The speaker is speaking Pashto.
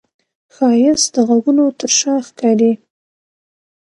ښایست د غږونو تر شا ښکاري